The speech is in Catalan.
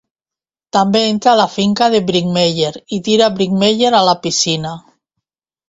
També entra a la finca de Brinkmeyer i tira Brinkmeyer a la piscina.